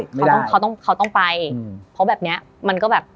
ใช่ไม่ได้เขาต้องเขาต้องไปอืมเพราะแบบเนี้ยมันก็แบบ